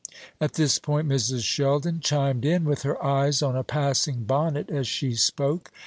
At this point Mrs. Sheldon chimed in, with her eyes on a passing bonnet as she spoke.